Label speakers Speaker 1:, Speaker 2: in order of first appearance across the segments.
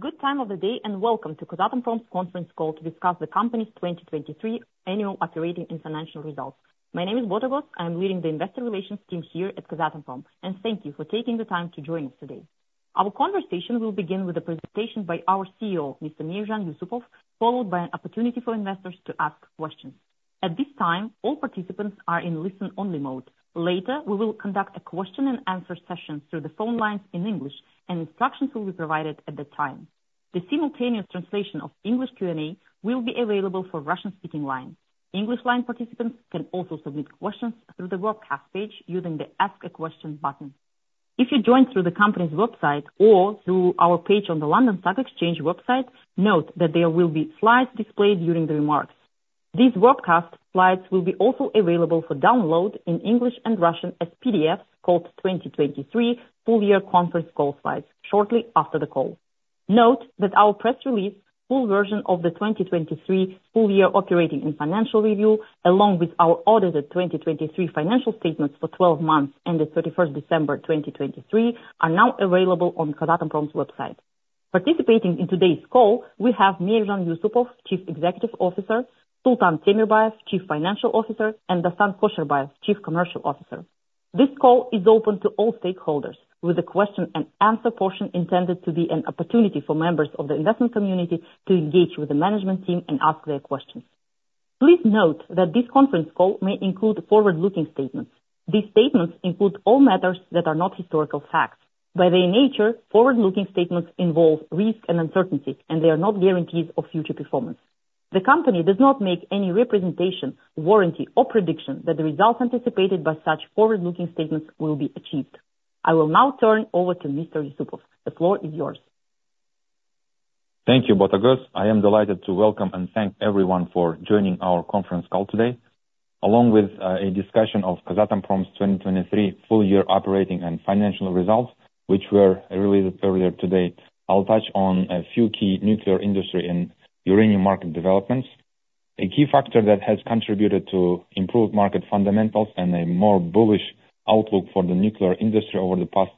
Speaker 1: Good time of the day and welcome to Kazatomprom's conference call to discuss the company's 2023 annual operating and financial results. My name is Botagoz, I'm leading the investor relations team here at Kazatomprom, and thank you for taking the time to join us today. Our conversation will begin with a presentation by our CEO, Mr. Meirzhan Yussupov, followed by an opportunity for investors to ask questions. At this time, all participants are in listen-only mode. Later, we will conduct a question-and-answer session through the phone lines in English, and instructions will be provided at that time. The simultaneous translation of English Q&A will be available for Russian-speaking lines. English-line participants can also submit questions through the broadcast page using the "Ask a Question" button. If you join through the company's website or through our page on the London Stock Exchange website, note that there will be slides displayed during the remarks. These broadcast slides will be also available for download in English and Russian as PDFs called "2023 Full Year Conference Call Slides" shortly after the call. Note that our press release, full version of the 2023 Full Year Operating and Financial Review, along with our audited 2023 financial statements for 12 months ended 31 December 2023, are now available on Kazatomprom's website. Participating in today's call we have Meirzhan Yussupov, Chief Executive Officer, Sultan Temirbayev, Chief Financial Officer, and Dastan Kosherbayev, Chief Commercial Officer. This call is open to all stakeholders, with a question-and-answer portion intended to be an opportunity for members of the investment community to engage with the management team and ask their questions. Please note that this conference call may include forward-looking statements. These statements include all matters that are not historical facts. By their nature, forward-looking statements involve risk and uncertainty, and they are not guarantees of future performance. The company does not make any representation, warranty, or prediction that the results anticipated by such forward-looking statements will be achieved. I will now turn over to Mr. Yussupov. The floor is yours.
Speaker 2: Thank you, Botagoz. I am delighted to welcome and thank everyone for joining our conference call today. Along with a discussion of Kazatomprom's 2023 Full Year Operating and Financial Results, which were released earlier today, I'll touch on a few key nuclear industry and uranium market developments. A key factor that has contributed to improved market fundamentals and a more bullish outlook for the nuclear industry over the past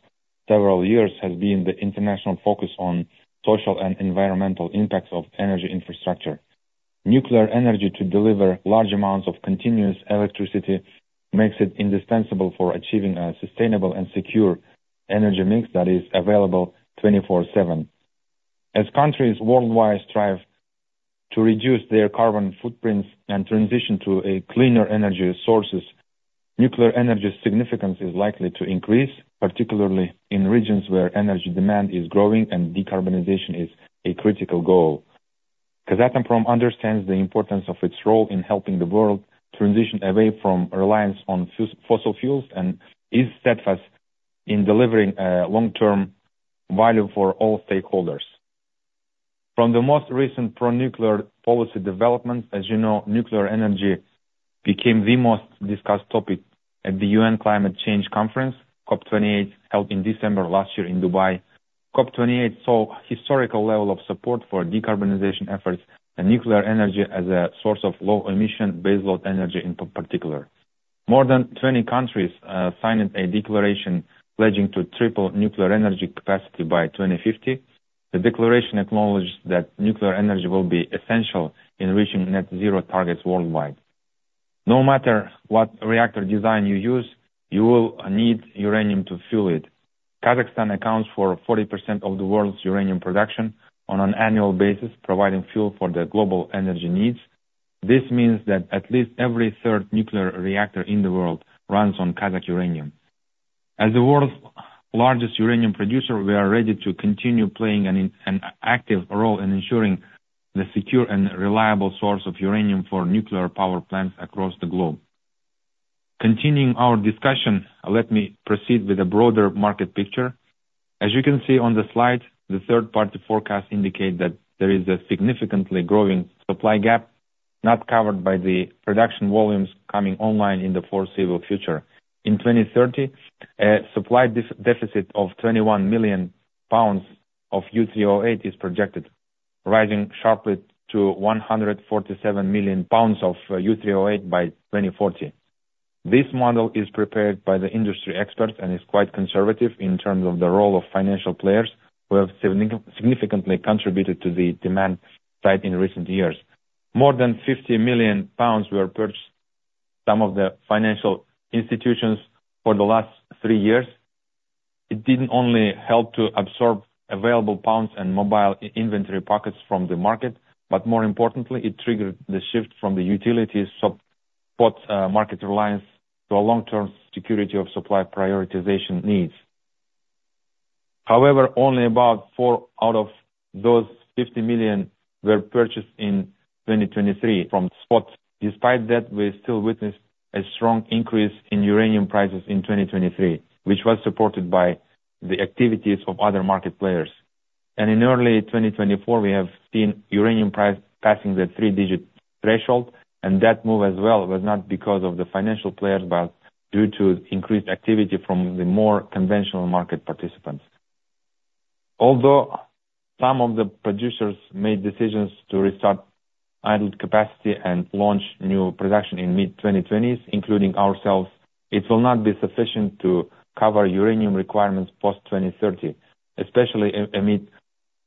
Speaker 2: several years has been the international focus on social and environmental impacts of energy infrastructure. Nuclear energy to deliver large amounts of continuous electricity makes it indispensable for achieving a sustainable and secure energy mix that is available 24/7. As countries worldwide strive to reduce their carbon footprints and transition to cleaner energy sources, nuclear energy's significance is likely to increase, particularly in regions where energy demand is growing and decarbonization is a critical goal. Kazatomprom understands the importance of its role in helping the world transition away from reliance on fossil fuels and is steadfast in delivering long-term value for all stakeholders. From the most recent pro-nuclear policy developments, as you know, nuclear energy became the most discussed topic at the UN Climate Change Conference, COP28 held in December last year in Dubai. COP28 saw a historical level of spot for decarbonization efforts and nuclear energy as a source of low-emission baseload energy in particular. More than 20 countries signed a declaration pledging to triple nuclear energy capacity by 2050. The declaration acknowledged that nuclear energy will be essential in reaching net-zero targets worldwide. No matter what reactor design you use, you will need uranium to fuel it. Kazakhstan accounts for 40% of the world's uranium production on an annual basis, providing fuel for the global energy needs. This means that at least every third nuclear reactor in the world runs on Kazakh uranium. As the world's largest uranium producer, we are ready to continue playing an active role in ensuring the secure and reliable source of uranium for nuclear power plants across the globe. Continuing our discussion, let me proceed with a broader market picture. As you can see on the slide, the third-party forecasts indicate that there is a significantly growing supply gap, not covered by the production volumes coming online in the foreseeable future. In 2030, a supply deficit of 21 million pounds of U3O8 is projected, rising sharply to 147 million pounds of U3O8 by 2040. This model is prepared by the industry experts and is quite conservative in terms of the role of financial players who have significantly contributed to the demand side in recent years. More than 50 million pounds were purchased by some of the financial institutions for the last three years. It didn't only help to absorb available pounds and mobile inventory pockets from the market, but more importantly, it triggered the shift from the utilities' support market reliance to a long-term security of supply prioritization needs. However, only about 4 million out of those 50 million pounds were purchased in 2023 from the spot. Despite that, we still witnessed a strong increase in uranium prices in 2023, which was supported by the activities of other market players. In early 2024, we have seen uranium price passing the three-digit threshold, and that move as well was not because of the financial players, but due to increased activity from the more conventional market participants. Although some of the producers made decisions to restart idled capacity and launch new production in mid-2020s, including ourselves, it will not be sufficient to cover uranium requirements post-2030, especially amid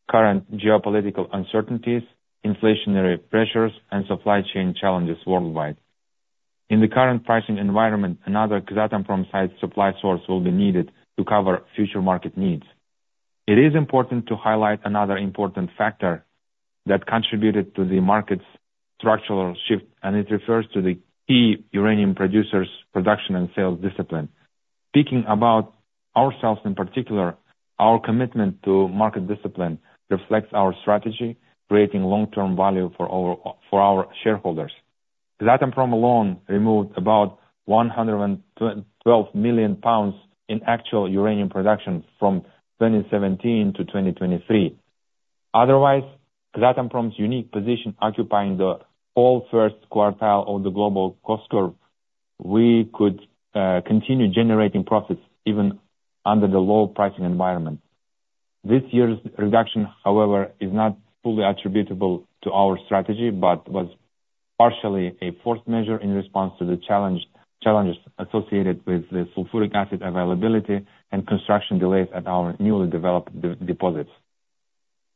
Speaker 2: current geopolitical uncertainties, inflationary pressures, and supply chain challenges worldwide. In the current pricing environment, another Kazatomprom-sized supply source will be needed to cover future market needs. It is important to highlight another important factor that contributed to the market's structural shift, and it refers to the key uranium producers' production and sales discipline. Speaking about ourselves in particular, our commitment to market discipline reflects our strategy creating long-term value for our shareholders. Kazatomprom alone removed about 112 million pounds in actual uranium production from 2017 to 2023. Otherwise, Kazatomprom's unique position occupying the first quartile of the global cost curve, we could continue generating profits even under the low pricing environment. This year's reduction, however, is not fully attributable to our strategy but was partially a forced measure in response to the challenges associated with the sulfuric acid availability and construction delays at our newly developed deposits.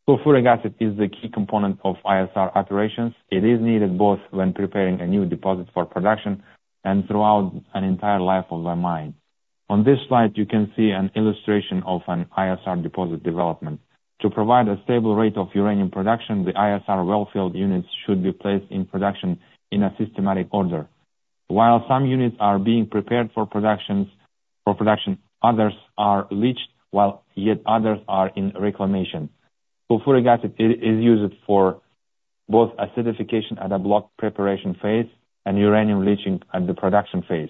Speaker 2: Sulfuric acid is the key component of ISR operations. It is needed both when preparing a new deposit for production and throughout an entire life of the mine. On this slide, you can see an illustration of an ISR deposit development. To provide a stable rate of uranium production, the ISR wellfield units should be placed in production in a systematic order. While some units are being prepared for production, others are leached while yet others are in reclamation. Sulfuric acid is used for both acidification at a block preparation phase and uranium leaching at the production phase.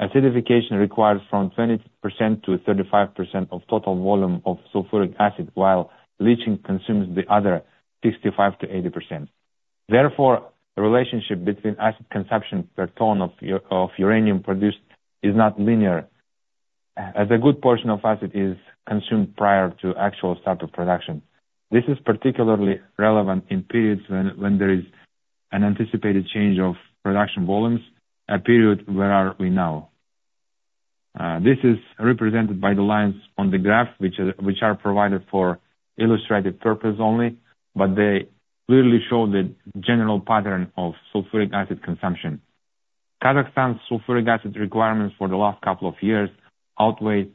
Speaker 2: Acidification requires 20%-35% of total volume of sulfuric acid, while leaching consumes the other 65%-80%. Therefore, the relationship between acid consumption per tonne of uranium produced is not linear, as a good portion of acid is consumed prior to actual start of production. This is particularly relevant in periods when there is an anticipated change of production volumes, a period where are we now? This is represented by the lines on the graph, which are provided for illustrative purpose only, but they clearly show the general pattern of sulfuric acid consumption. Kazakhstan's sulfuric acid requirements for the last couple of years outweigh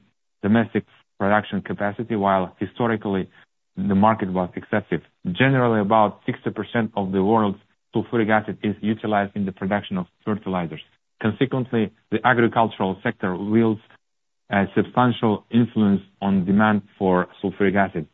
Speaker 2: domestic production capacity, while historically, the market was excessive. Generally, about 60% of the world's sulfuric acid is utilized in the production of fertilizers. Consequently, the agricultural sector wields a substantial influence on demand for sulfuric acid.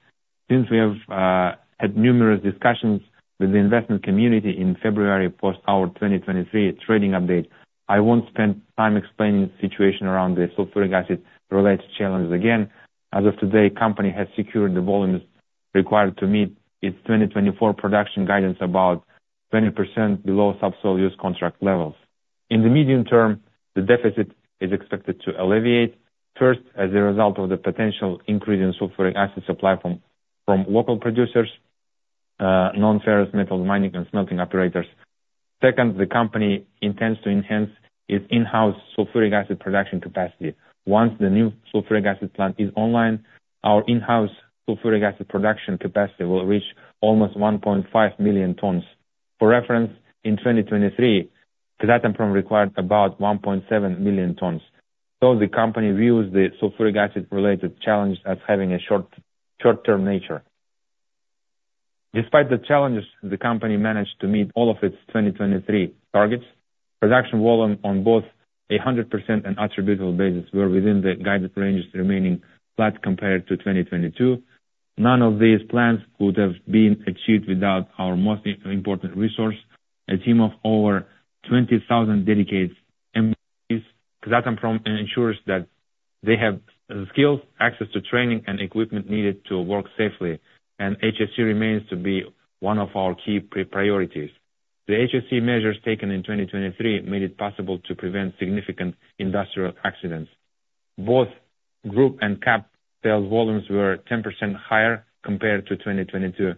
Speaker 2: Since we have had numerous discussions with the investment community in February post our 2023 trading update, I won't spend time explaining the situation around the sulfuric acid-related challenges again. As of today, the company has secured the volumes required to meet its 2024 production guidance about 20% below subsoil use contract levels. In the medium term, the deficit is expected to alleviate, first as a result of the potential increase in sulfuric acid supply from local producers, non-ferrous metals mining, and smelting operators. Second, the company intends to enhance its in-house sulfuric acid production capacity. Once the new sulfuric acid plant is online, our in-house sulfuric acid production capacity will reach almost 1.5 million tons. For reference, in 2023, Kazatomprom required about 1.7 million tons, so the company views the sulfuric acid-related challenges as having a short-term nature. Despite the challenges, the company managed to meet all of its 2023 targets. Production volume on both a 100% and attributable basis were within the guided ranges, remaining flat compared to 2022. None of these plans would have been achieved without our most important resource. A team of over 20,000 dedicated employees. Kazatomprom ensures that they have the skills, access to training, and equipment needed to work safely, and HSE remains to be one of our key priorities. The HSE measures taken in 2023 made it possible to prevent significant industrial accidents. Both group and KAP sales volumes were 10% higher compared to 2022,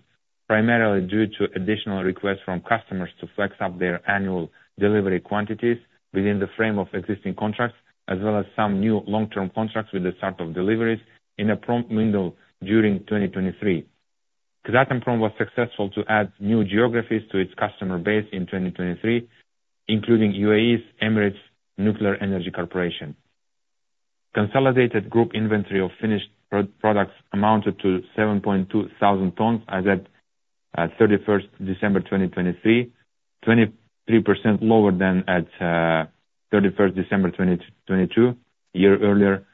Speaker 2: primarily due to additional requests from customers to flex up their annual delivery quantities within the frame of existing contracts, as well as some new long-term contracts with the start of deliveries in a prompt window during 2023. Kazatomprom was successful to add new geographies to its customer base in 2023, including UAE, Emirates Nuclear Energy Corporation. Consolidated group inventory of finished products amounted to 7,200 tonnes as of 31 December 2023, 23% lower than at 31 December 2022, a year earlier.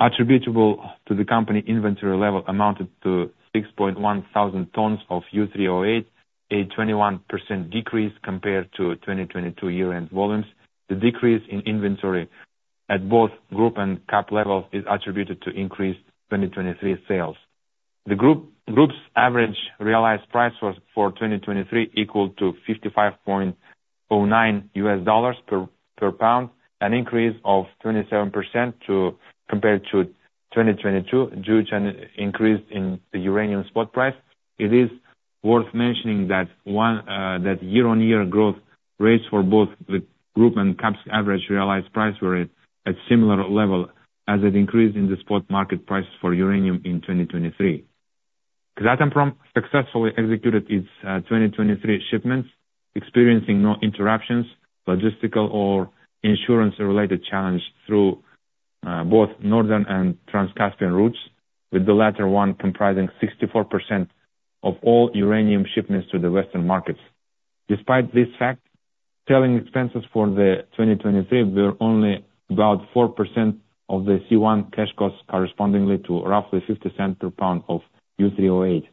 Speaker 2: Attributable to the company inventory level amounted to 6,100 tonnes of U3O8, a 21% decrease compared to 2022 year-end volumes. The decrease in inventory at both group and KAP levels is attributed to increased 2023 sales. The group's average realized price for 2023 equaled to $55.09 per pound, an increase of 27% compared to 2022 due to an increase in the uranium spot price. It is worth mentioning that year-on-year growth rates for both the group and KAP's average realized price were at a similar level as an increase in the spot market prices for uranium in 2023. Kazatomprom successfully executed its 2023 shipments, experiencing no interruptions, logistical, or insurance-related challenges through both northern and Trans-Caspian routes, with the latter one comprising 64% of all uranium shipments to the Western markets. Despite this fact, selling expenses for 2023 were only about 4% of the C1 cash costs, correspondingly to roughly $0.50 per pound of U3O8.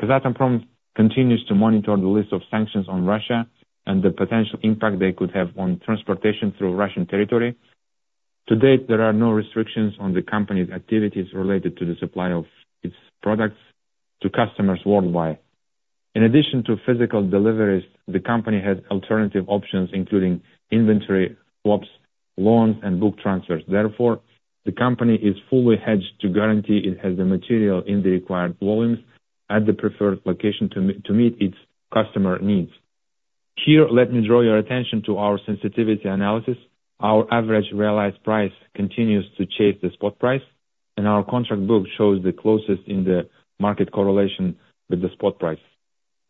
Speaker 2: Kazatomprom continues to monitor the list of sanctions on Russia and the potential impact they could have on transportation through Russian territory. To date, there are no restrictions on the company's activities related to the supply of its products to customers worldwide. In addition to physical deliveries, the company has alternative options, including inventory swaps, loans, and book transfers. Therefore, the company is fully hedged to guarantee it has the material in the required volumes at the preferred location to meet its customer needs. Here, let me draw your attention to our sensitivity analysis. Our average realized price continues to chase the spot price, and our contract book shows the closest in the market correlation with the spot price.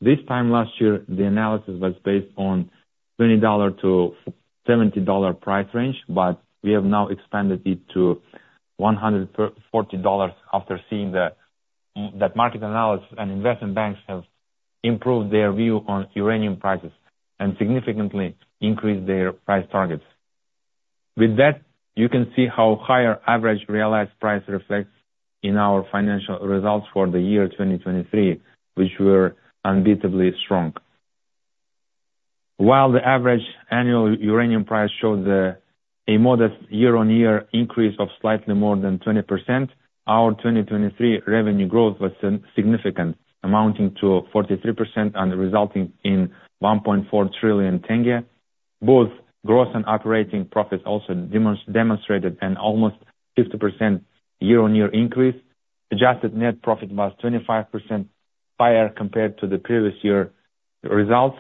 Speaker 2: This time last year, the analysis was based on the $20-$70 price range, but we have now expanded it to $140 after seeing that market analysis and investment banks have improved their view on uranium prices and significantly increased their price targets. With that, you can see how higher average realized price reflects in our financial results for the year 2023, which were unbeatably strong. While the average annual uranium price showed a modest year-on-year increase of slightly more than 20%, our 2023 revenue growth was significant, amounting to 43% and resulting in KZT 1.4 trillion. Both gross and operating profits also demonstrated an almost 50% year-on-year increase. Adjusted net profit was 25% higher compared to the previous year's results,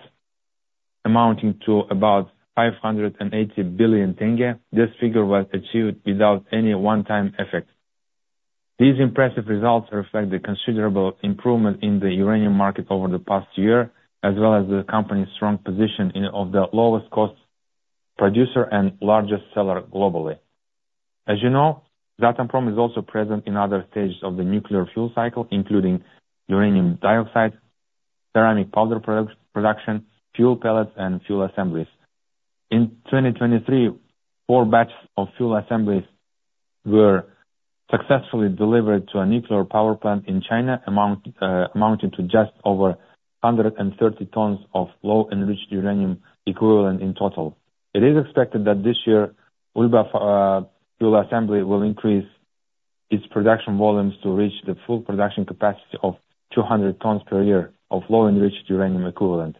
Speaker 2: amounting to KZT 580 billion. This figure was achieved without any one-time effect. These impressive results reflect a considerable improvement in the uranium market over the past year, as well as the company's strong position of the lowest-cost producer and largest seller globally. As you know, Kazatomprom is also present in other stages of the nuclear fuel cycle, including uranium dioxide, ceramic powder production, fuel pellets, and fuel assemblies. In 2023, four batches of fuel assemblies were successfully delivered to a nuclear power plant in China, amounting to just over 130 tonnes of low-enriched uranium equivalent in total. It is expected that this year, ULBA fuel assembly will increase its production volumes to reach the full production capacity of 200 tonnes per year of low-enriched uranium equivalent.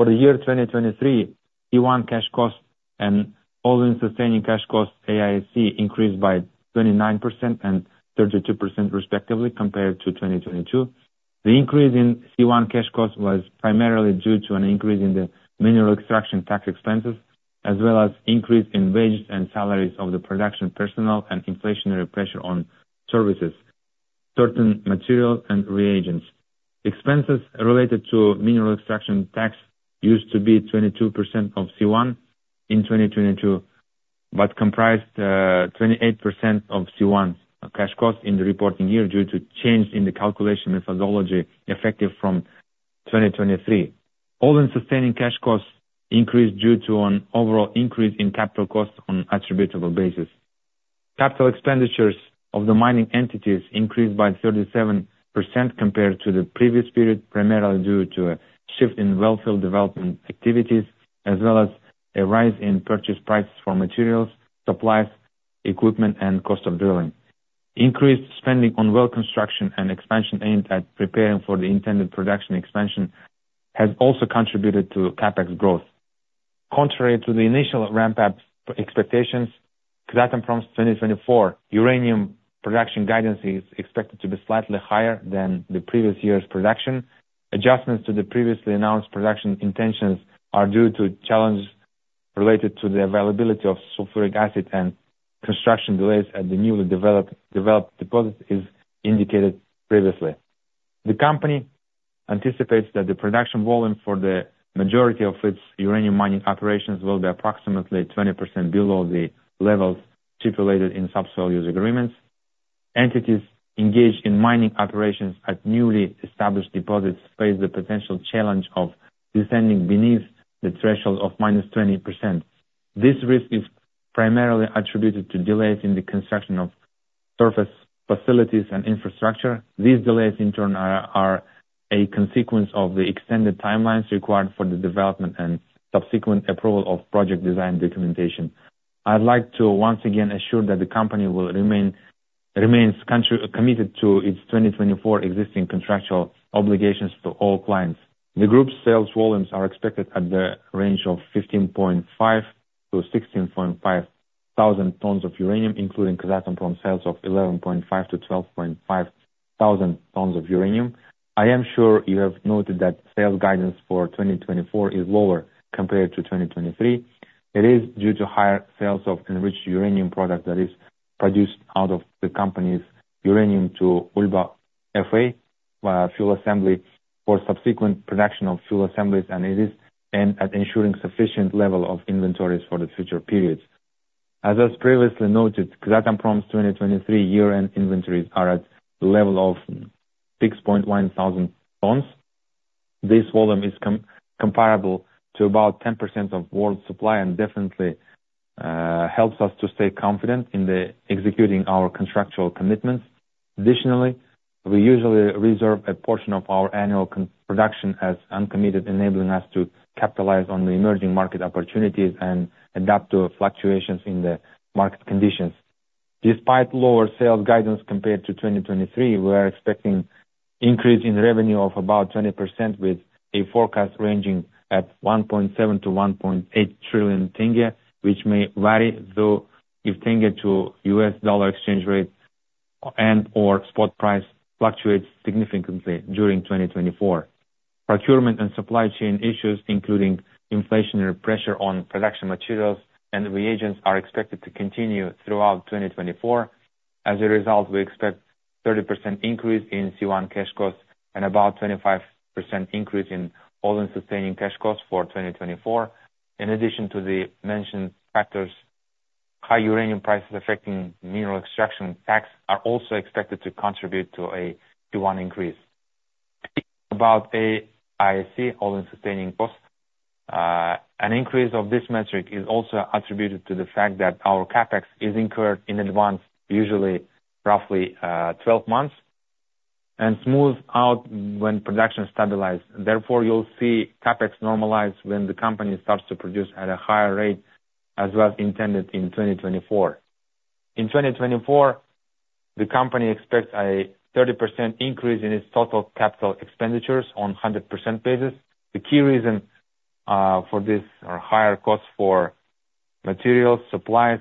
Speaker 2: For the year 2023, C1 cash costs and all-in sustaining cash costs (AISC) increased by 29% and 32% respectively compared to 2022. The increase in C1 cash costs was primarily due to an increase in the mineral extraction tax expenses, as well as an increase in wages and salaries of the production personnel and inflationary pressure on services, certain materials, and reagents. Expenses related to mineral extraction tax used to be 22% of C1 in 2022 but comprised 28% of C1 cash costs in the reporting year due to changes in the calculation methodology effective from 2023. All-in sustaining cash costs increased due to an overall increase in capital costs on an attributable basis. Capital expenditures of the mining entities increased by 37% compared to the previous period, primarily due to a shift in well-filled development activities, as well as a rise in purchase prices for materials, supplies, equipment, and cost of drilling. Increased spending on well construction and expansion aimed at preparing for the intended production expansion has also contributed to CAPEX growth. Contrary to the initial ramp-up expectations, Kazatomprom's 2024 uranium production guidance is expected to be slightly higher than the previous year's production. Adjustments to the previously announced production intentions are due to challenges related to the availability of sulfuric acid and construction delays at the newly developed deposit, as indicated previously. The company anticipates that the production volume for the majority of its uranium mining operations will be approximately 20% below the levels stipulated in subsoil use agreements. Entities engaged in mining operations at newly established deposits face the potential challenge of descending beneath the threshold of minus 20%. This risk is primarily attributed to delays in the construction of surface facilities and infrastructure. These delays, in turn, are a consequence of the extended timelines required for the development and subsequent approval of project design documentation. I'd like to once again assure that the company remains committed to its 2024 existing contractual obligations to all clients. The group's sales volumes are expected at the range of 15,500-16,500 tonnes of uranium, including Kazatomprom's sales of 11,500-12,500 tonnes of uranium. I am sure you have noted that sales guidance for 2024 is lower compared to 2023. It is due to higher sales of enriched uranium products that are produced out of the company's uranium to Ulba-FA fuel assembly for subsequent production of fuel assemblies, and it is at ensuring a sufficient level of inventories for the future periods. As was previously noted, Kazatomprom's 2023 year-end inventories are at the level of 6,100 tonnes. This volume is comparable to about 10% of world supply and definitely helps us to stay confident in executing our contractual commitments. Additionally, we usually reserve a portion of our annual production as uncommitted, enabling us to capitalize on the emerging market opportunities and adapt to fluctuations in the market conditions. Despite lower sales guidance compared to 2023, we are expecting an increase in revenue of about 20%, with a forecast ranging at KZT 1.7 trillion-KZT 1.8 trillion, which may vary, though, if tenge to U.S. dollar exchange rate and/or spot price fluctuates significantly during 2024. Procurement and supply chain issues, including inflationary pressure on production materials and reagents, are expected to continue throughout 2024. As a result, we expect a 30% increase in C1 cash costs and about a 25% increase in all-in sustaining cash costs for 2024. In addition to the mentioned factors, high uranium prices affecting mineral extraction tax are also expected to contribute to a C1 increase. About AISC, all-in sustaining costs, an increase of this metric is also attributed to the fact that our CapEx is incurred in advance, usually roughly 12 months, and smooths out when production stabilizes. Therefore, you'll see CapEx normalize when the company starts to produce at a higher rate as was intended in 2024. In 2024, the company expects a 30% increase in its total capital expenditures on a 100% basis. The key reasons for this are higher costs for materials, supplies,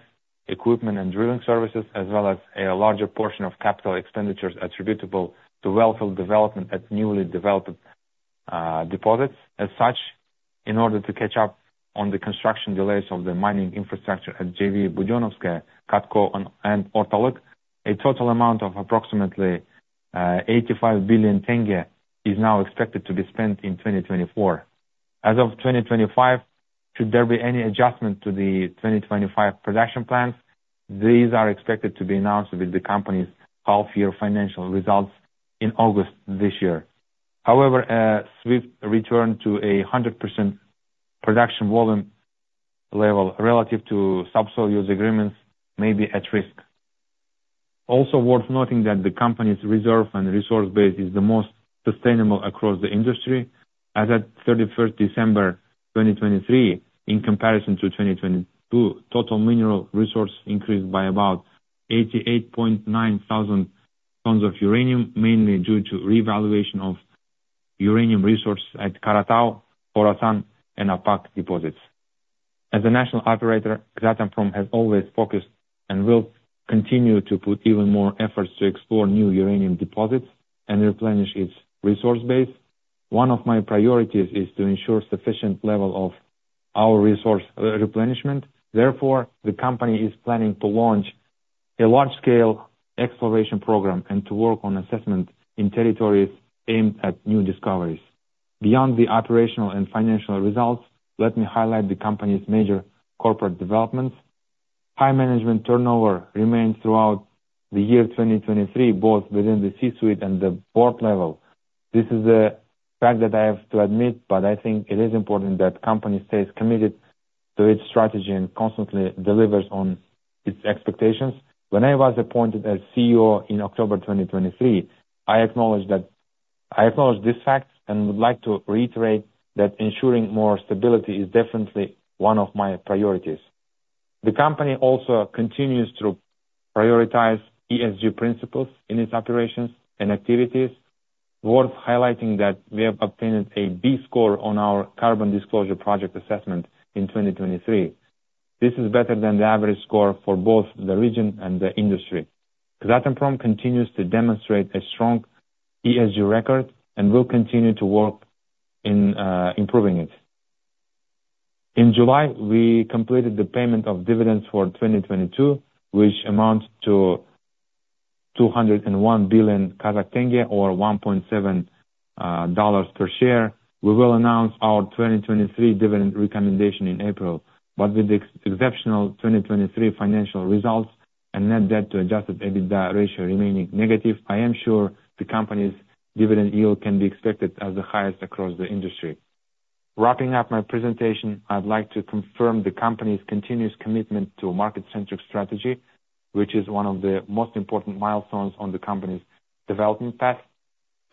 Speaker 2: equipment, and drilling services, as well as a larger portion of capital expenditures attributable to well-field development at newly developed deposits. As such, in order to catch up on the construction delays of the mining infrastructure at JV Budenovskoye, KATCO, and Ortalyk, a total amount of approximately KZT 85 billion is now expected to be spent in 2024. As of 2025, should there be any adjustment to the 2025 production plans, these are expected to be announced with the company's half-year financial results in August this year. However, a swift return to a 100% production volume level relative to subsoil use agreements may be at risk. Also, worth noting that the company's reserve and resource base is the most sustainable across the industry. As of 31 December 2023, in comparison to 2022, total mineral resources increased by about 88,900 tons of uranium, mainly due to revaluation of uranium resources at Karatau, Kharasan, and Appak deposits. As a national operator, Kazatomprom has always focused and will continue to put even more efforts to explore new uranium deposits and replenish its resource base. One of my priorities is to ensure a sufficient level of our resource replenishment. Therefore, the company is planning to launch a large-scale exploration program and to work on assessment in territories aimed at new discoveries. Beyond the operational and financial results, let me highlight the company's major corporate developments. High management turnover remains throughout the year 2023, both within the C-suite and the board level. This is a fact that I have to admit, but I think it is important that the company stays committed to its strategy and constantly delivers on its expectations. When I was appointed as CEO in October 2023, I acknowledged this fact and would like to reiterate that ensuring more stability is definitely one of my priorities. The company also continues to prioritize ESG principles in its operations and activities, worth highlighting that we have obtained a B score on our carbon disclosure project assessment in 2023. This is better than the average score for both the region and the industry. Kazatomprom continues to demonstrate a strong ESG record and will continue to work on improving it. In July, we completed the payment of dividends for 2022, which amounted to KZT 201 billion or $1.7 per share. We will announce our 2023 dividend recommendation in April. But with the exceptional 2023 financial results and net debt to adjusted EBITDA ratio remaining negative, I am sure the company's dividend yield can be expected as the highest across the industry. Wrapping up my presentation, I'd like to confirm the company's continuous commitment to a market-centric strategy, which is one of the most important milestones on the company's development path.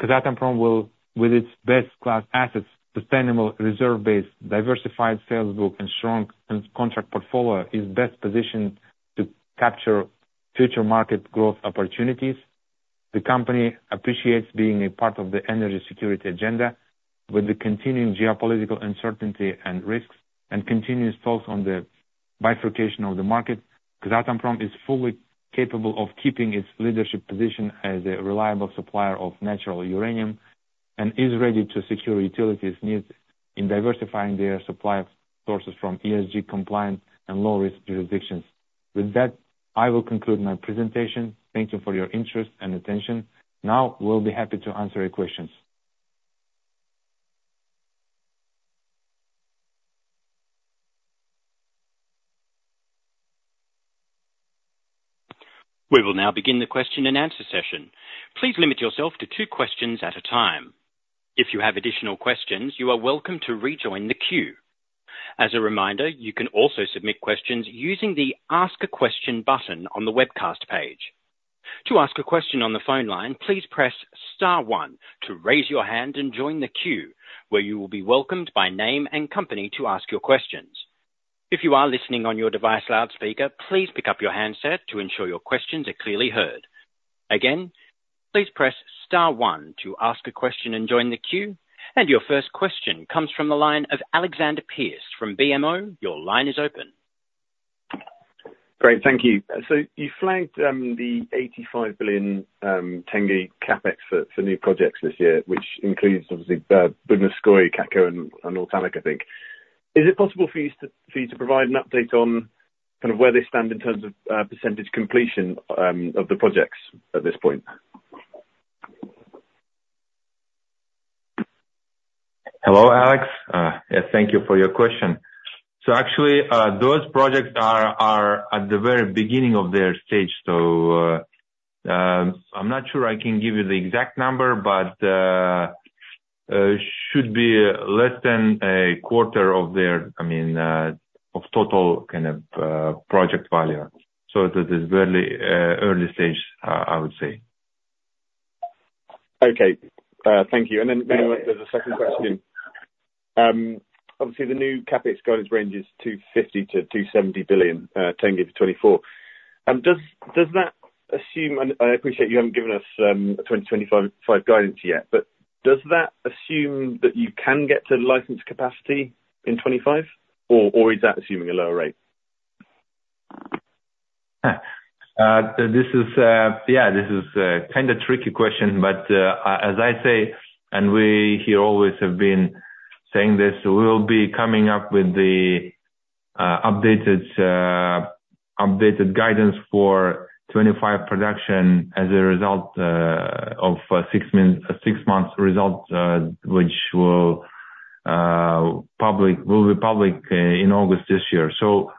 Speaker 2: Kazatomprom will, with its best-class assets, sustainable reserve-based diversified sales book, and strong contract portfolio, be best positioned to capture future market growth opportunities. The company appreciates being a part of the energy security agenda. With the continuing geopolitical uncertainty and risks, and continuous talks on the bifurcation of the market, Kazatomprom is fully capable of keeping its leadership position as a reliable supplier of natural uranium and is ready to secure utilities' needs in diversifying their supply sources from ESG-compliant and low-risk jurisdictions. With that, I will conclude my presentation. Thank you for your interest and attention. Now, we'll be happy to answer your questions.
Speaker 3: We will now begin the question-and-answer session. Please limit yourself to two questions at a time. If you have additional questions, you are welcome to rejoin the queue. As a reminder, you can also submit questions using the "Ask a Question" button on the webcast page. To ask a question on the phone line, please press star 1 to raise your hand and join the queue, where you will be welcomed by name and company to ask your questions. If you are listening on your device loudspeaker, please pick up your handset to ensure your questions are clearly heard. Again, please press star 1 to ask a question and join the queue. Your first question comes from the line of Alexander Pearce from BMO. Your line is open.
Speaker 4: Great. Thank you. So you flagged the KZT 85 billion CAPEX for new projects this year, which includes, obviously, Budenovskoye, KATCO, and Ortalyk, I think. Is it possible for you to provide an update on kind of where they stand in terms of percentage completion of the projects at this point?
Speaker 5: Hello, Alex. Yeah, thank you for your question. So actually, those projects are at the very beginning of their stage. So I'm not sure I can give you the exact number, but it should be less than a quarter of their total kind of project value. So it is a very early stage, I would say.
Speaker 4: Okay. Thank you. And then there's a second question. Obviously, the new CAPEX guidance range is KZT 250 billion-KZT 270 billion for 2024. Does that assume and I appreciate you haven't given us a 2025 guidance yet, but does that assume that you can get to licensed capacity in 2025, or is that assuming a lower rate?
Speaker 5: Yeah, this is kind of a tricky question. But as I say, and we here always have been saying this, we'll be coming up with the updated guidance for 2025 production as a result of six-month results, which will be public in August this year. So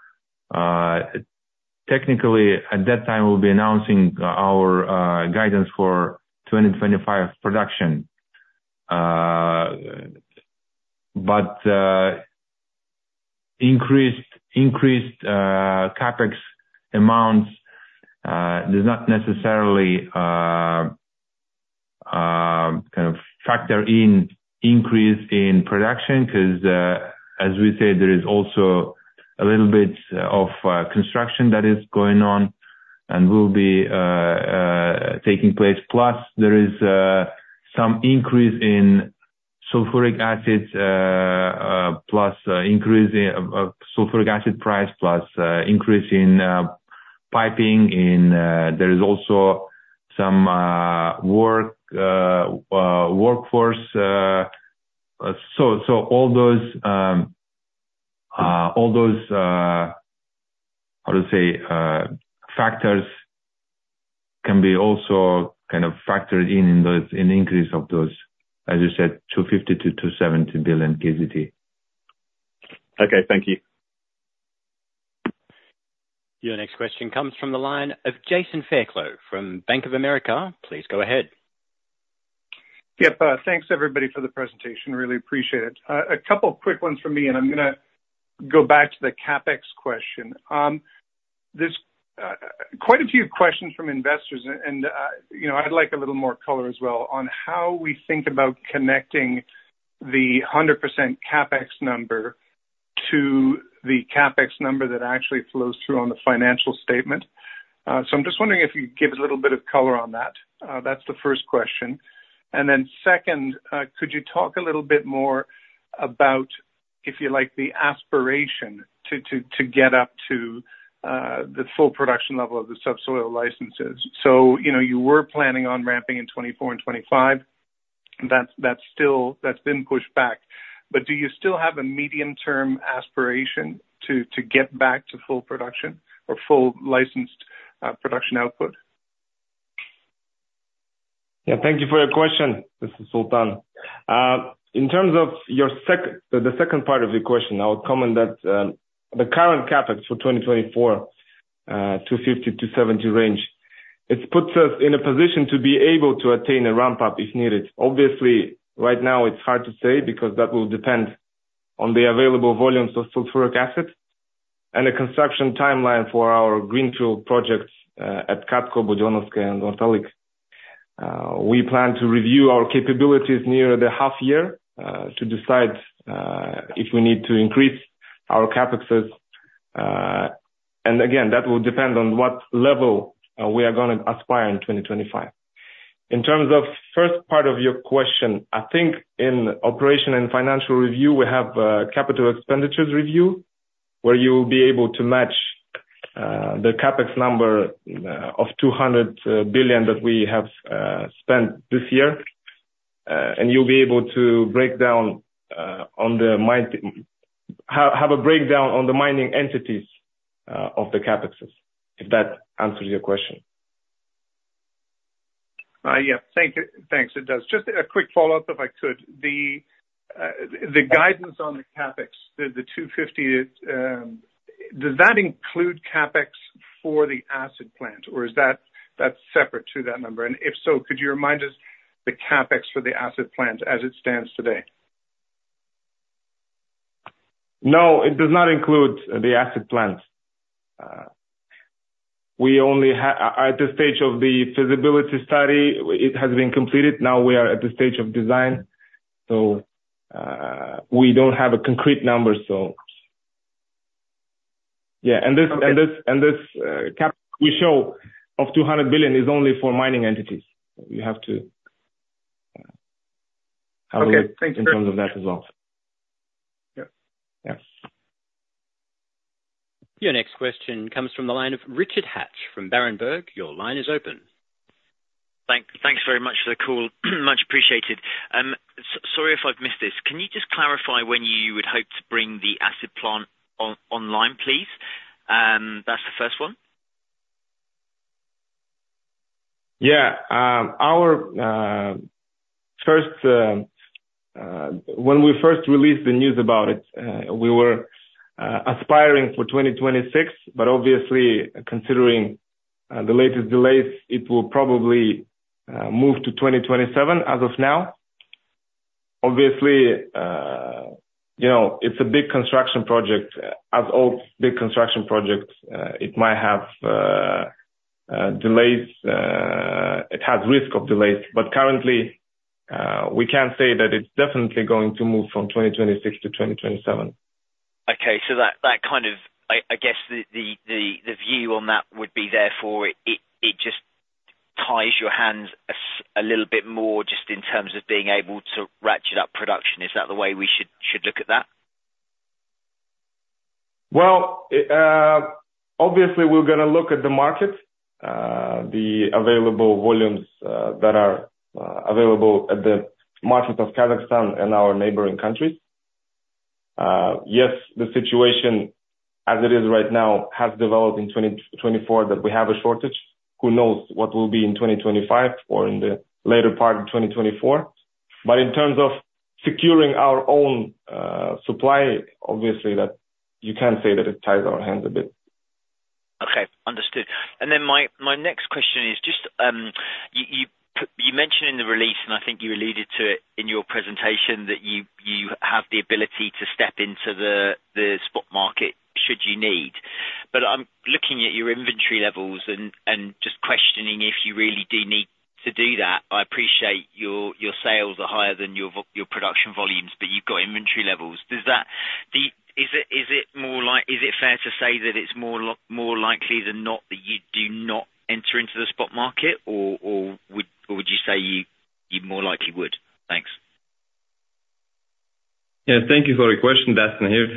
Speaker 5: technically, at that time, we'll be announcing our guidance for 2025 production. But increased CapEx amounts do not necessarily kind of factor in an increase in production because, as we say, there is also a little bit of construction that is going on and will be taking place. Plus, there is some increase in sulfuric acid, plus an increase in sulfuric acid price, plus an increase in piping. There is also some workforce. So all those, how do I say, factors can be also kind of factored in an increase of those, as you said, KZT 250 billion-KZT 270 billion.
Speaker 4: Okay. Thank you.
Speaker 3: Your next question comes from the line of Jason Fairclough from Bank of America. Please go ahead.
Speaker 6: Yeah, thanks, everybody, for the presentation. Really appreciate it. A couple of quick ones from me, and I'm going to go back to the CapEx question. There's quite a few questions from investors, and I'd like a little more color as well on how we think about connecting the 100% CapEx number to the CapEx number that actually flows through on the financial statement. So I'm just wondering if you could give a little bit of color on that. That's the first question. And then second, could you talk a little bit more about, if you like, the aspiration to get up to the full production level of the subsoil licenses? So you were planning on ramping in 2024 and 2025. That's been pushed back. But do you still have a medium-term aspiration to get back to full production or full licensed production output?
Speaker 5: Yeah, thank you for your question, Mr. Sultan. In terms of the second part of your question, I would comment that the current CapEx for 2024, $250-$270 range, it puts us in a position to be able to attain a ramp-up if needed. Obviously, right now, it's hard to say because that will depend on the available volumes of sulfuric acid and the construction timeline for our greenfield projects at KATCO, Budenovskoye, and Ortalyk. We plan to review our capabilities near the half-year to decide if we need to increase our CapEx. Again, that will depend on what level we are going to aspire to in 2025. In terms of the first part of your question, I think in operation and financial review, we have a capital expenditures review where you will be able to match the CapEx number of KZT 200 billion that we have spent this year. You'll be able to have a breakdown on the mining entities of the CapExes, if that answers your question.
Speaker 6: Yeah, thanks. It does. Just a quick follow-up, if I could. The guidance on the CapEx, the $250, does that include CapEx for the acid plant, or is that separate to that number? And if so, could you remind us the CapEx for the acid plant as it stands today?
Speaker 5: No, it does not include the acid plant. At the stage of the feasibility study, it has been completed. Now we are at the stage of design. So we don't have a concrete number, so. Yeah. And this CapEx we show of KZT 200 billion is only for mining entities. You have to have a look in terms of that as well.
Speaker 6: Okay. Thanks.
Speaker 5: Yeah.
Speaker 3: Your next question comes from the line of Richard Hatch from Berenberg. Your line is open.
Speaker 7: Thanks very much for the call. Much appreciated. Sorry if I've missed this. Can you just clarify when you would hope to bring the acid plant online, please? That's the first one.
Speaker 5: Yeah. When we first released the news about it, we were aspiring for 2026. But obviously, considering the latest delays, it will probably move to 2027 as of now. Obviously, it's a big construction project. As all big construction projects, it might have delays. It has risk of delays. But currently, we can say that it's definitely going to move from 2026 to 2027.
Speaker 7: Okay. So that kind of, I guess, the view on that would be, therefore, it just ties your hands a little bit more just in terms of being able to ratchet up production. Is that the way we should look at that?
Speaker 5: Well, obviously, we're going to look at the market, the available volumes that are available at the market of Kazakhstan and our neighboring countries. Yes, the situation as it is right now has developed in 2024 that we have a shortage. Who knows what will be in 2025 or in the later part of 2024? But in terms of securing our own supply, obviously, you can say that it ties our hands a bit.
Speaker 7: Okay. Understood. Then my next question is just you mentioned in the release, and I think you alluded to it in your presentation, that you have the ability to step into the spot market should you need. But I'm looking at your inventory levels and just questioning if you really do need to do that. I appreciate your sales are higher than your production volumes, but you've got inventory levels. Is it more like is it fair to say that it's more likely than not that you do not enter into the spot market, or would you say you more likely would? Thanks.
Speaker 5: Yeah, thank you for your question, Dustin here.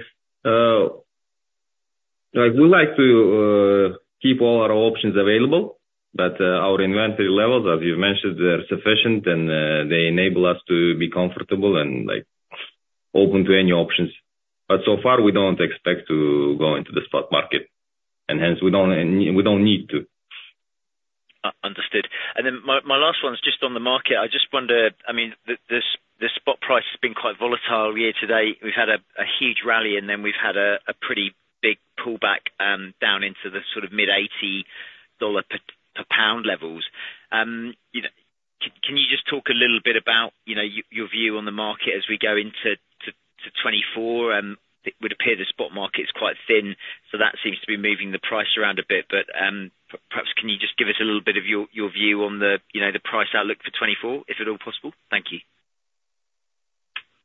Speaker 5: We like to keep all our options available. But our inventory levels, as you've mentioned, they're sufficient, and they enable us to be comfortable and open to any options. But so far, we don't expect to go into the spot market, and hence, we don't need to.
Speaker 7: Understood. Then my last one's just on the market. I just wonder I mean, the spot price has been quite volatile here today. We've had a huge rally, and then we've had a pretty big pullback down into the sort of mid-$80-per-pound levels. Can you just talk a little bit about your view on the market as we go into 2024? It would appear the spot market is quite thin, so that seems to be moving the price around a bit. But perhaps can you just give us a little bit of your view on the price outlook for 2024, if at all possible? Thank you.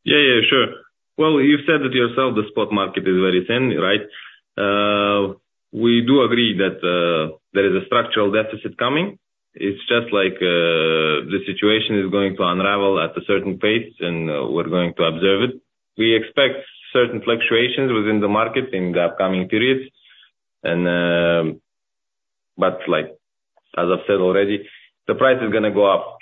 Speaker 5: Yeah, yeah, sure. Well, you've said it yourself, the spot market is very thin, right? We do agree that there is a structural deficit coming. It's just like the situation is going to unravel at a certain pace, and we're going to observe it. We expect certain fluctuations within the market in the upcoming periods. But as I've said already, the price is going to go up.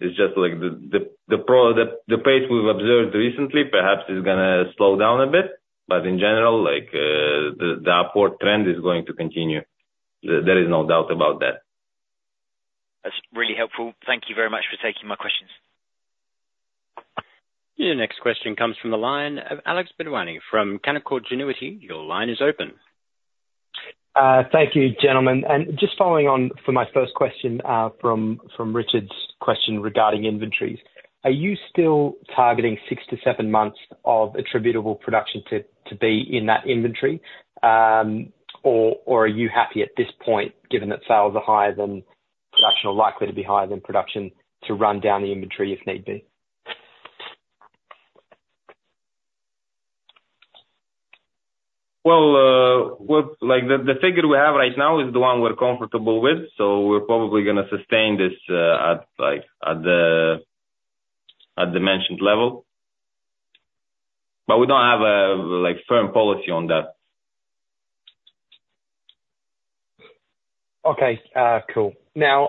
Speaker 5: It's just like the pace we've observed recently, perhaps, is going to slow down a bit. But in general, the upward trend is going to continue. There is no doubt about that.
Speaker 7: That's really helpful. Thank you very much for taking my questions.
Speaker 3: Your next question comes from the line of Alex Bedwany from Canaccord Genuity. Your line is open.
Speaker 8: Thank you, gentlemen. Just following on for my first question from Richard's question regarding inventories, are you still targeting 6-7 months of attributable production to be in that inventory, or are you happy at this point, given that sales are higher than production or likely to be higher than production, to run down the inventory if need be?
Speaker 5: Well, the figure we have right now is the one we're comfortable with. So we're probably going to sustain this at the mentioned level. But we don't have a firm policy on that.
Speaker 8: Okay. Cool. Now,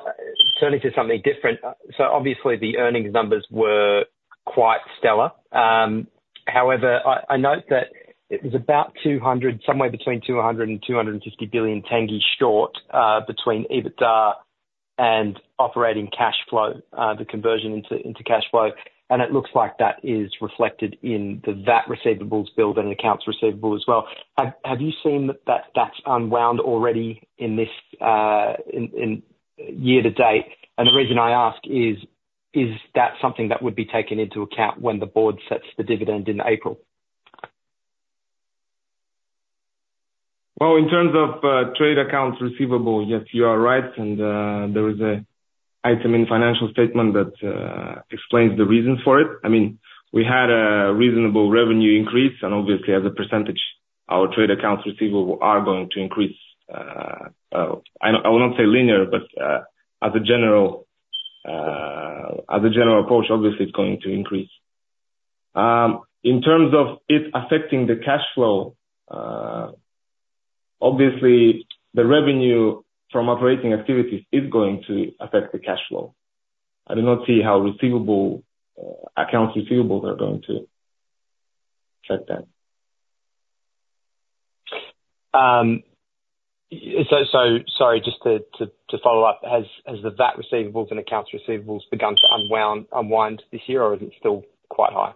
Speaker 8: turning to something different. So obviously, the earnings numbers were quite stellar. However, I note that it was about somewhere between KZT 200 billion and KZT 250 billion short between EBITDA and operating cash flow, the conversion into cash flow. And it looks like that is reflected in the VAT receivables billed and accounts receivable as well. Have you seen that that's unwound already in this year to date? And the reason I ask is, is that something that would be taken into account when the board sets the dividend in April?
Speaker 5: Well, in terms of trade accounts receivable, yes, you are right. There is an item in financial statement that explains the reasons for it. I mean, we had a reasonable revenue increase. Obviously, as a percentage, our trade accounts receivable are going to increase. I will not say linear, but as a general approach, obviously, it's going to increase. In terms of it affecting the cash flow, obviously, the revenue from operating activities is going to affect the cash flow. I do not see how accounts receivables are going to affect that.
Speaker 8: So sorry, just to follow up, has the VAT receivables and accounts receivables begun to unwind this year, or is it still quite high?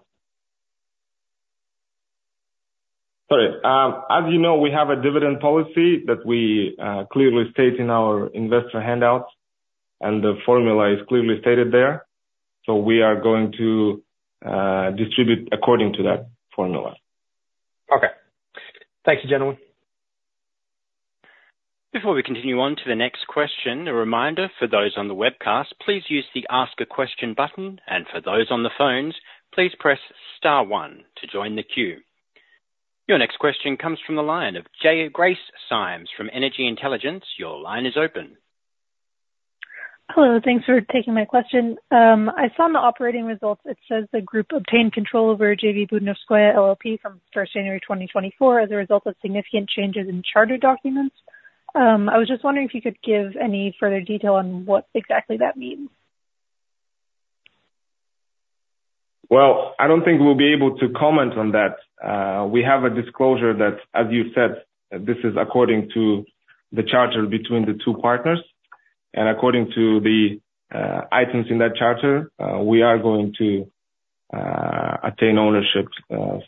Speaker 5: Sorry. As you know, we have a dividend policy that we clearly state in our investor handouts, and the formula is clearly stated there. So we are going to distribute according to that formula.
Speaker 8: Okay. Thank you, gentlemen.
Speaker 3: Before we continue on to the next question, a reminder for those on the webcast, please use the Ask a Question button. For those on the phones, please press star one to join the queue. Your next question comes from the line of Grace Symes from Energy Intelligence. Your line is open.
Speaker 9: Hello. Thanks for taking my question. I saw in the operating results, it says the group obtained control over JV Budenovskoye LLP from 1st January 2024 as a result of significant changes in charter documents. I was just wondering if you could give any further detail on what exactly that means.
Speaker 5: Well, I don't think we'll be able to comment on that. We have a disclosure that, as you said, this is according to the charter between the two partners. And according to the items in that charter, we are going to attain ownership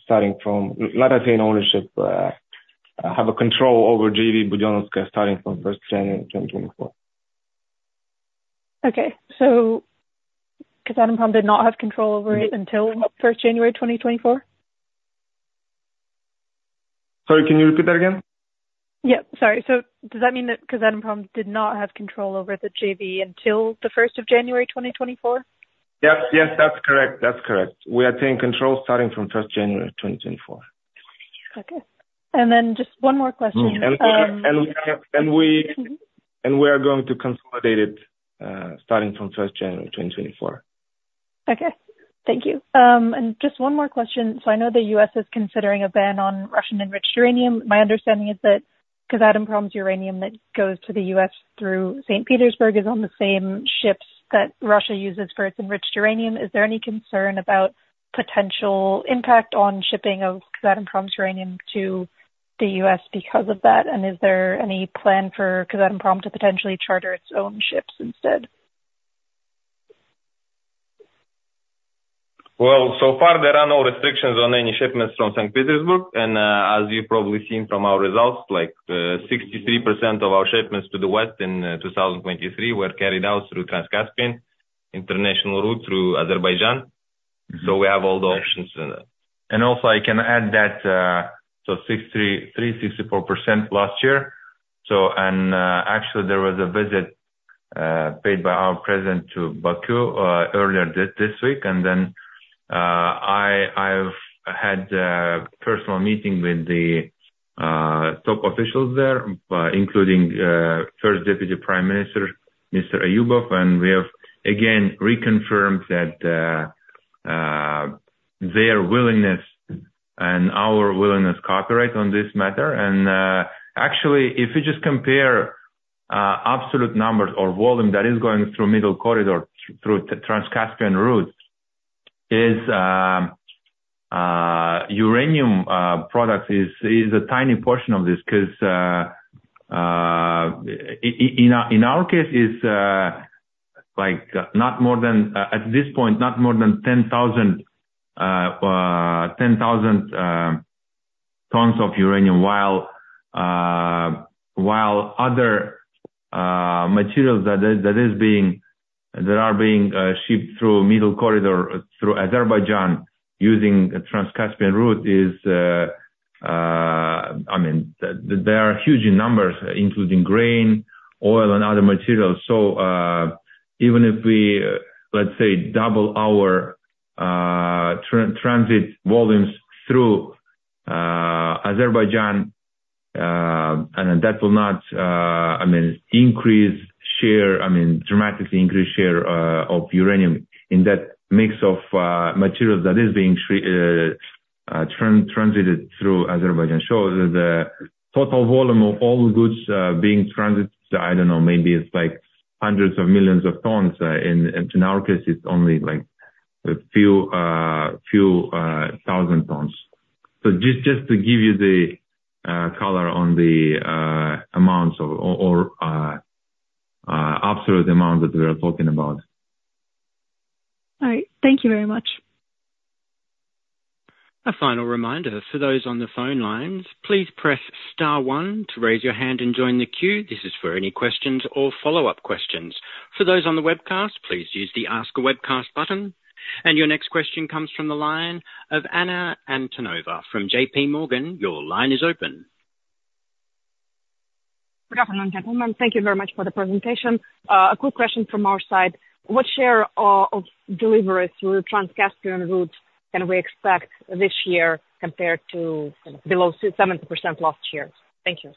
Speaker 5: starting from not attain ownership, have a control over JV Budenovskoye starting from 1st January 2024.
Speaker 9: Okay. Kazatomprom did not have control over it until 1st January 2024?
Speaker 5: Sorry, can you repeat that again?
Speaker 9: Yep. Sorry. So does that mean that Kazatomprom did not have control over the JV until the 1st of January 2024?
Speaker 5: Yep. Yes, that's correct. That's correct. We attained control starting from 1st January 2024.
Speaker 9: Okay. And then just one more question.
Speaker 5: We are going to consolidate it starting from 1st January 2024.
Speaker 9: Okay. Thank you. Just one more question. So I know the U.S. is considering a ban on Russian-enriched uranium. My understanding is that Kazatomprom's uranium that goes to the U.S. through St. Petersburg is on the same ships that Russia uses for its enriched uranium. Is there any concern about potential impact on shipping of Kazatomprom's uranium to the U.S. because of that? And is there any plan for Kazatomprom to potentially charter its own ships instead?
Speaker 5: Well, so far, there are no restrictions on any shipments from St. Petersburg. And as you've probably seen from our results, 63% of our shipments to the west in 2023 were carried out through Trans-Caspian International Route through Azerbaijan. So we have all the options in that. And also, I can add that so 63%-64% last year. And actually, there was a visit paid by our president to Baku earlier this week. And then I've had a personal meeting with the top officials there, including First Deputy Prime Minister, Mr. Eyyubov. And we have, again, reconfirmed their willingness and our willingness to cooperate on this matter. Actually, if you just compare absolute numbers or volume that is going through Middle Corridor, through Trans-Caspian Route, uranium product is a tiny portion of this because in our case, it's not more than at this point, not more than 10,000 tons of uranium, while other materials that are being shipped through Middle Corridor, through Azerbaijan using Trans-Caspian Route is I mean, there are huge numbers, including grain, oil, and other materials. So even if we, let's say, double our transit volumes through Azerbaijan, that will not, I mean, increase share I mean, dramatically increase share of uranium in that mix of materials that is being transited through Azerbaijan. So the total volume of all goods being transited, I don't know, maybe it's hundreds of millions of tons. In our case, it's only a few thousand tons. Just to give you the color on the amounts or absolute amount that we are talking about.
Speaker 9: All right. Thank you very much.
Speaker 3: A final reminder. For those on the phone lines, please press star one to raise your hand and join the queue. This is for any questions or follow-up questions. For those on the webcast, please use the Ask a Webcast button. Your next question comes from the line of Anna Antonova from J.P. Morgan. Your line is open.
Speaker 10: Good afternoon, gentlemen. Thank you very much for the presentation. A quick question from our side. What share of deliveries through Trans-Caspian Route can we expect this year compared to below 70% last year? Thank you.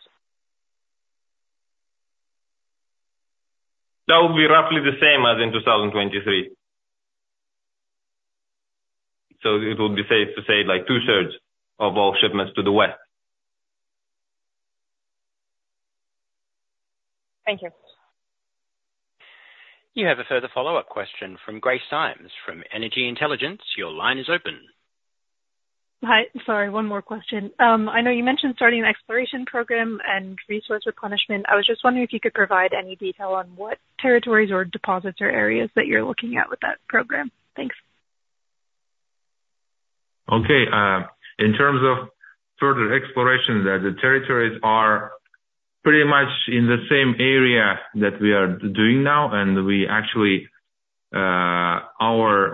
Speaker 5: That will be roughly the same as in 2023. So it would be safe to say 2/3 of all shipments to the west.
Speaker 3: Thank you. You have a further follow-up question from Grace Symes from Energy Intelligence. Your line is open.
Speaker 9: Hi. Sorry, one more question. I know you mentioned starting an exploration program and resource replenishment. I was just wondering if you could provide any detail on what territories or deposits or areas that you're looking at with that program. Thanks.
Speaker 5: Okay. In terms of further exploration, the territories are pretty much in the same area that we are doing now.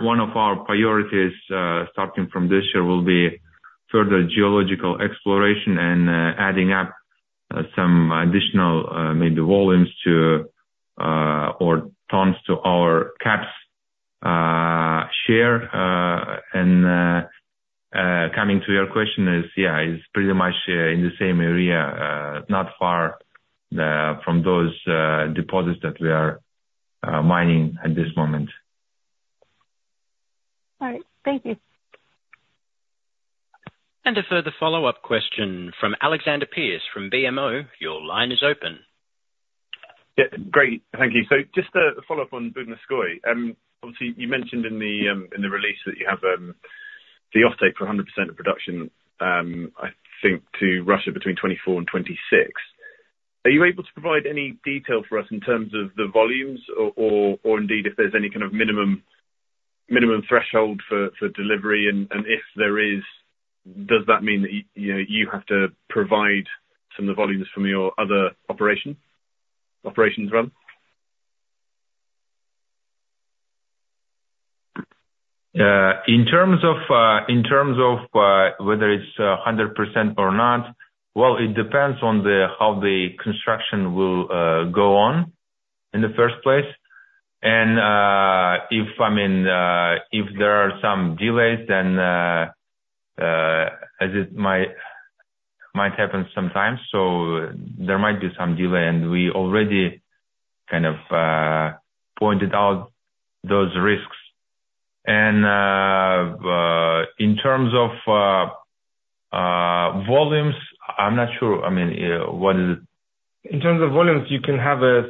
Speaker 5: One of our priorities starting from this year will be further geological exploration and adding up some additional, maybe, volumes or tons to our KAP's share. Coming to your question, yeah, it's pretty much in the same area, not far from those deposits that we are mining at this moment.
Speaker 9: All right. Thank you.
Speaker 3: A further follow-up question from Alexander Pearce from BMO. Your line is open.
Speaker 4: Great. Thank you. So just to follow up on Budenovskoye. Obviously, you mentioned in the release that you have the offtake for 100% of production, I think, to Russia between 2024 and 2026. Are you able to provide any detail for us in terms of the volumes or indeed if there's any kind of minimum threshold for delivery? And if there is, does that mean that you have to provide some of the volumes from your other operations, rather?
Speaker 5: In terms of whether it's 100% or not, well, it depends on how the construction will go on in the first place. I mean, if there are some delays, then as it might happen sometimes, so there might be some delay. We already kind of pointed out those risks. In terms of volumes, I'm not sure. I mean, what is it? In terms of volumes, you can have a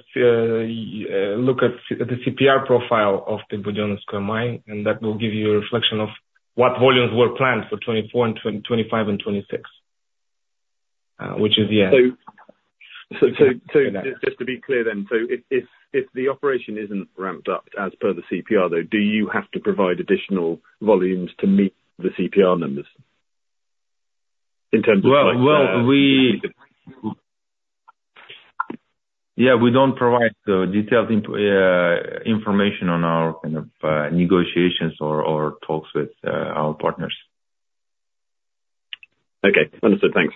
Speaker 5: look at the CPR profile of the Budenovskoye mine. That will give you a reflection of what volumes were planned for 2024, 2025, and 2026, which is, yeah.
Speaker 4: So just to be clear then, so if the operation isn't ramped up as per the CPR, though, do you have to provide additional volumes to meet the CPR numbers in terms of?
Speaker 5: Well, yeah, we don't provide detailed information on our kind of negotiations or talks with our partners.
Speaker 4: Okay. Understood. Thanks.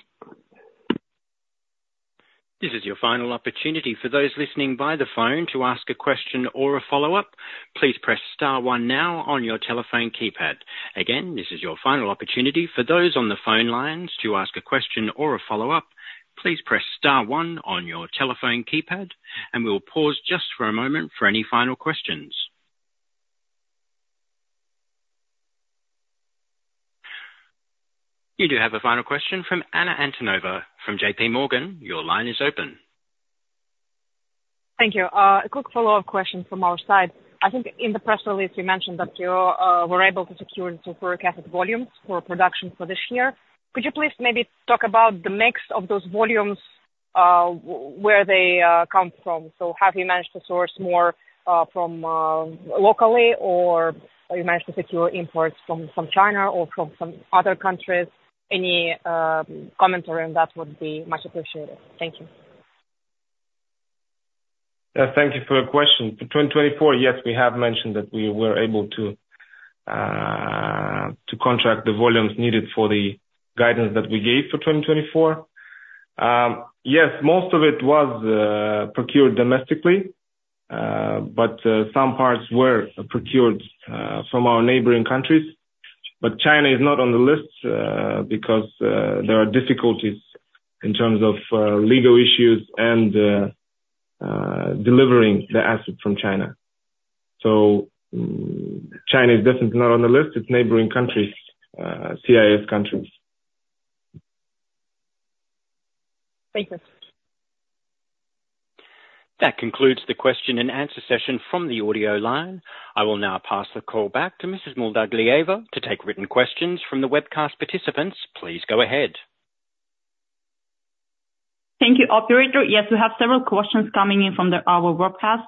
Speaker 3: This is your final opportunity for those listening by the phone to ask a question or a follow-up. Please press star one now on your telephone keypad. Again, this is your final opportunity for those on the phone lines to ask a question or a follow-up. Please press star one on your telephone keypad. And we'll pause just for a moment for any final questions. You do have a final question from Anna Antonova from J.P. Morgan. Your line is open.
Speaker 10: Thank you. A quick follow-up question from our side. I think in the press release, you mentioned that you were able to secure the sulfuric acid volumes for production for this year. Could you please maybe talk about the mix of those volumes, where they come from? So have you managed to source more from locally, or have you managed to secure imports from China or from some other countries? Any commentary on that would be much appreciated. Thank you.
Speaker 5: Thank you for your question. For 2024, yes, we have mentioned that we were able to contract the volumes needed for the guidance that we gave for 2024. Yes, most of it was procured domestically, but some parts were procured from our neighboring countries. But China is not on the list because there are difficulties in terms of legal issues and delivering the acid from China. So China is definitely not on the list. It's neighboring countries, CIS countries.
Speaker 10: Thank you.
Speaker 3: That concludes the question and answer session from the audio line. I will now pass the call back to Mrs. Muldagaliyeva to take written questions from the webcast participants. Please go ahead.
Speaker 1: Thank you, operator. Yes, we have several questions coming in from our webcast.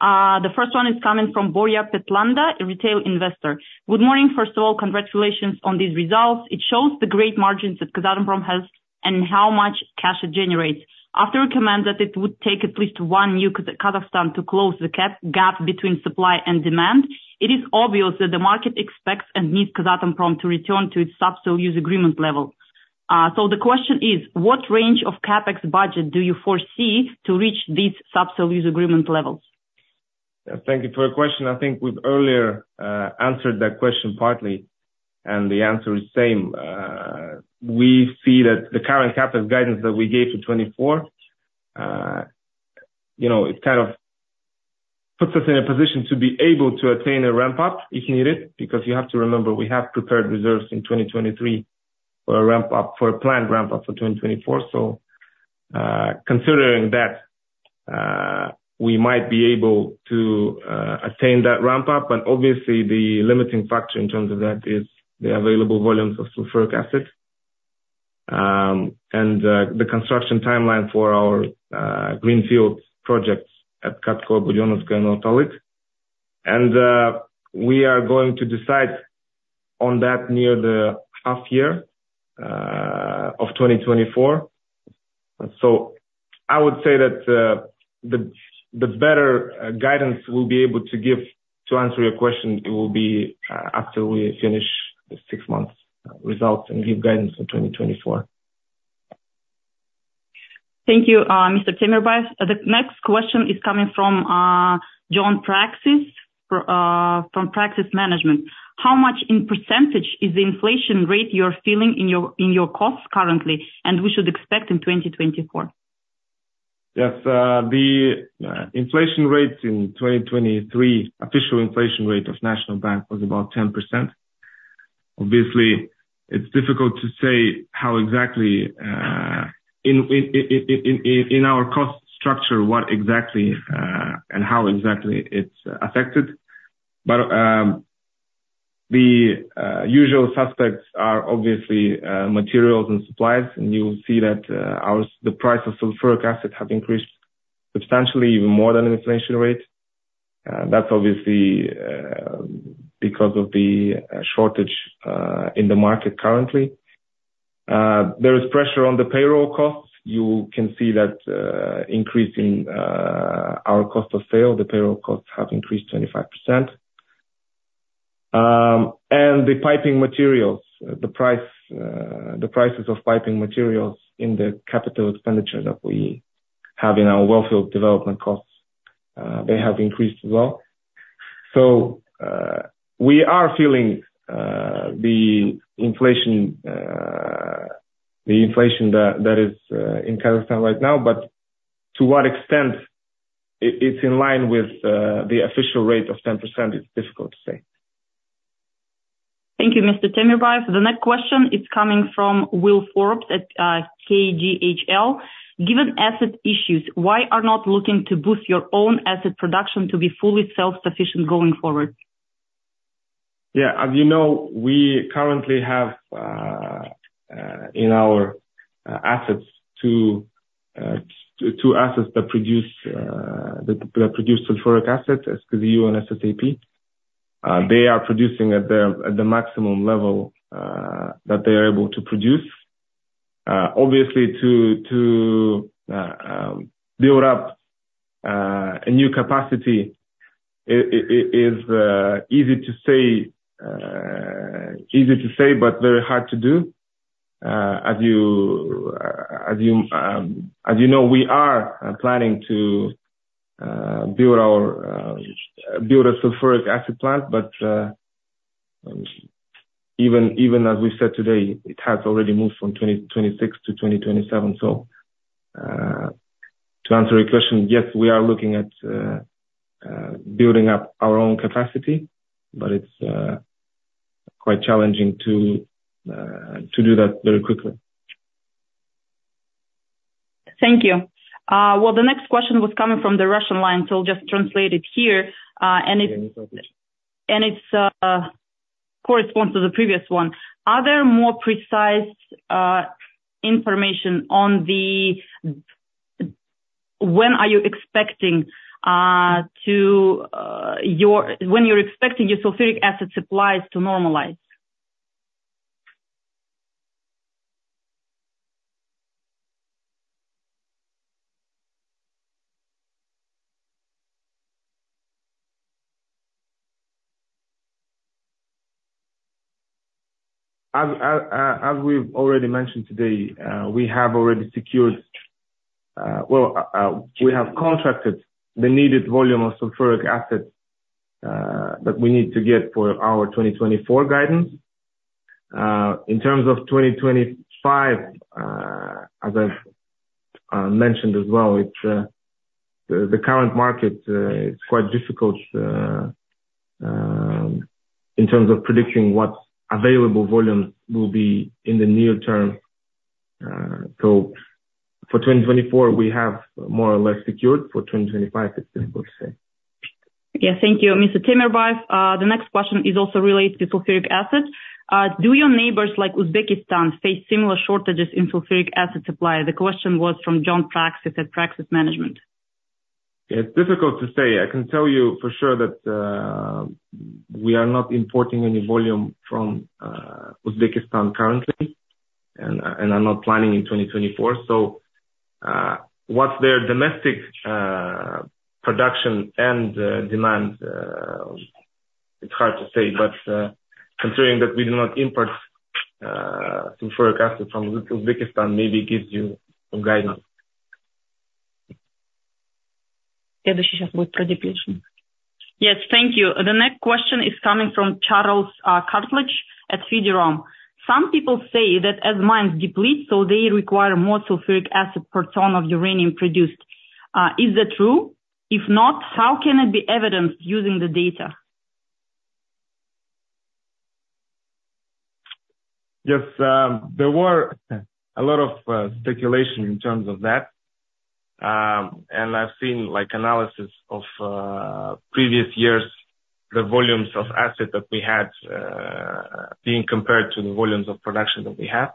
Speaker 1: The first one is coming from Borya Petlanda, a retail investor. "Good morning. First of all, congratulations on these results. It shows the great margins that Kazatomprom has and how much cash it generates. After a comment that it would take at least one year Kazakhstan to close the gap between supply and demand, it is obvious that the market expects and needs Kazatomprom to return to its subsoil use agreement level." So the question is, "What range of CapEx budget do you foresee to reach these subsoil use agreement levels?
Speaker 5: Thank you for your question. I think we've earlier answered that question partly. The answer is same. We see that the current CapEx guidance that we gave for 2024, it kind of puts us in a position to be able to attain a ramp-up if needed because you have to remember we have prepared reserves in 2023 for a planned ramp-up for 2024. So considering that, we might be able to attain that ramp-up. But obviously, the limiting factor in terms of that is the available volumes of sulfuric acid and the construction timeline for our greenfield projects at KATCO, Budenovskoye, and Ortalyk. We are going to decide on that near the half-year of 2024. So I would say that the better guidance we'll be able to give to answer your question, it will be after we finish the six-month results and give guidance for 2024.
Speaker 1: Thank you, Mr. Temirbayev. The next question is coming from John Praxis from Praxis Management. "How much in percentage is the inflation rate you are feeling in your costs currently and we should expect in 2024?
Speaker 5: Yes. The inflation rate in 2023, official inflation rate of National Bank, was about 10%. Obviously, it's difficult to say how exactly in our cost structure, what exactly and how exactly it's affected. But the usual suspects are obviously materials and supplies. And you will see that the price of sulfuric acid has increased substantially, even more than inflation rate. That's obviously because of the shortage in the market currently. There is pressure on the payroll costs. You can see that increase in our cost of sale. The payroll costs have increased 25%. And the piping materials, the prices of piping materials in the capital expenditure that we have in our wellfield development costs, they have increased as well. So we are feeling the inflation that is in Kazakhstan right now. But to what extent it's in line with the official rate of 10%, it's difficult to say.
Speaker 1: Thank you, Mr. Temirbayev. The next question is coming from Will Forbes at Tamesis Partners. "Given asset issues, why are you not looking to boost your own asset production to be fully self-sufficient going forward?
Speaker 5: Yeah. As you know, we currently have in our assets two assets that produce sulfuric acid, SKZ-U and SSAP. They are producing at the maximum level that they are able to produce. Obviously, to build up a new capacity is easy to say, easy to say, but very hard to do. As you know, we are planning to build a sulfuric acid plant. But even as we said today, it has already moved from 2026 to 2027. So to answer your question, yes, we are looking at building up our own capacity. But it's quite challenging to do that very quickly.
Speaker 1: Thank you. Well, the next question was coming from the Russian line. So I'll just translate it here. It corresponds to the previous one. "Are there more precise information on when are you expecting to when you're expecting your sulfuric acid supplies to normalize?
Speaker 5: As we've already mentioned today, we have already secured well, we have contracted the needed volume of sulfuric acid that we need to get for our 2024 guidance. In terms of 2025, as I mentioned as well, the current market is quite difficult in terms of predicting what available volumes will be in the near term. So for 2024, we have more or less secured. For 2025, it's difficult to say.
Speaker 1: Yeah. Thank you, Mr. Temirbayev. The next question is also related to sulfuric acid. "Do your neighbors like Uzbekistan face similar shortages in sulfuric acid supply?" The question was from John Praxis at Praxis Management.
Speaker 5: It's difficult to say. I can tell you for sure that we are not importing any volume from Uzbekistan currently and are not planning in 2024. So what's their domestic production and demand? It's hard to say. But considering that we do not import sulfuric acid from Uzbekistan, maybe it gives you some guidance.
Speaker 1: Yes. Thank you. The next question is coming from Charles Cartledge at Fidera. "Some people say that as mines deplete, so they require more sulfuric acid per tonne of uranium produced. Is that true? If not, how can it be evidenced using the data?
Speaker 5: Yes. There were a lot of speculation in terms of that. I've seen analysis of previous years, the volumes of acid that we had being compared to the volumes of production that we have.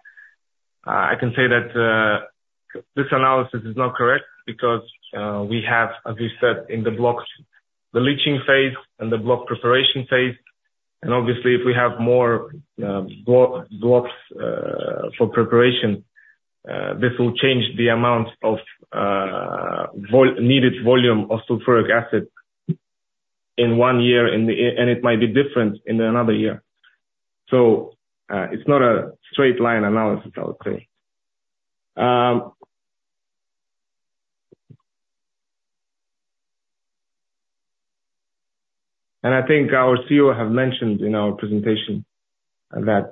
Speaker 5: I can say that this analysis is not correct because we have, as we said in the blocks, the leaching phase and the block preparation phase. Obviously, if we have more blocks for preparation, this will change the amount of needed volume of sulfuric acid in one year, and it might be different in another year. So it's not a straight-line analysis, I would say. I think our CEO have mentioned in our presentation that